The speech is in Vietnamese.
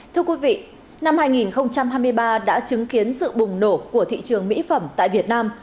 thưa quý vị năm hai nghìn hai mươi ba đã chứng kiến sự bùng nổ của thị trường mỹ phẩm tại việt nam